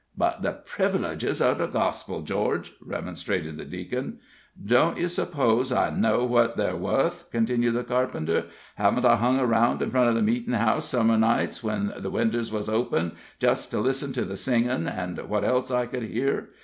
"But the preveleges of the Gospel, George," remonstrated the Deacon. "Don't you s'pose I know what they're wuth?" continued the carpenter. "Haven't I hung around in front of the meetin' house Summer nights, when the winders was open, jest to listen to the singin' and what else I could hear?